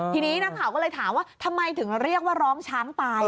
ทีนี้นักข่าวก็เลยถามว่าทำไมถึงเรียกว่าร้องช้างตาย